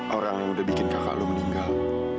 orang yang udah bikin kakak lo meninggal